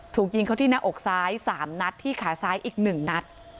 ถูกยิงเขาที่หน้าอกซ้าย๓นัดที่ขาซ้ายอีก๑นัด